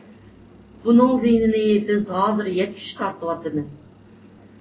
بۇنىڭ زىيىنىنى بىز ھازىر يەتكۈچە تارتىۋاتىمىز.